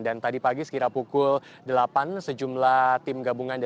dan tadi pagi sekitar pukul delapan sejumlah tim gabungan